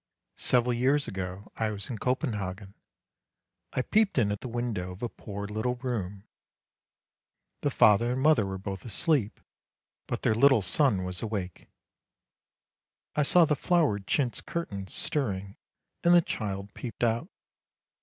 " Several years ago I was in Copenhagen; I peeped in at the window of a poor little room. The father and mother were both asleep, but their little son was awake. I saw the flowered chintz curtains stirring and the child peeped out.